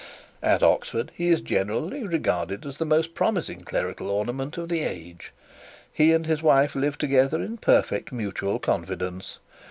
At Oxford he is generally regarded as the most promising clerical ornament of the age. He and his wife live together in perfect mutual confidence.